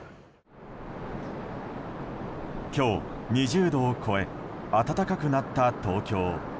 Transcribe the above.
今日、２０度を超え暖かくなった東京。